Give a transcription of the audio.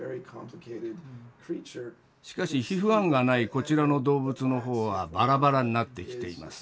しかしＨＩＦ−１がないこちらの動物の方はバラバラになってきています。